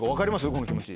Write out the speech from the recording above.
この気持ち。